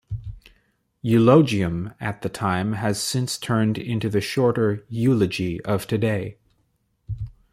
"Eulogium" at that time has since turned into the shorter "eulogy" of today.